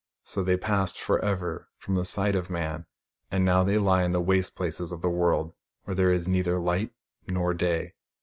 So they passed for ever from the sight of man, and now they lie in the waste places of the world, where there is neither light nor day.